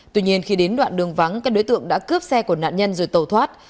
tuy nhiên khi đến đoạn đường vắng các đối tượng đã cướp xe của nạn nhân rồi tàu thoát